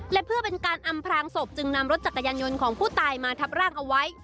และเพื่อเป็นการอำพลางศพจึงนำรถจักรยานยนต์ของผู้ตายมาทับร่างเอาไว้